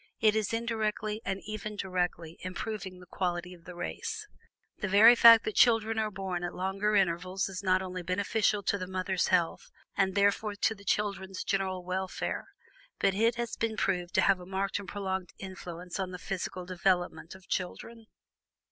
It is indirectly, and even directly, improving the quality of the race. The very fact that children are born at longer intervals is not only beneficial to the mother's health, and therefore to the children's general welfare, but it has been proved to have a marked and prolonged influence on the physical development of children.